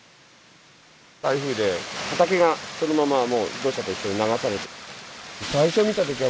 台風で畑がそのままもう、土砂と一緒に流されて。